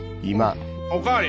お代わり！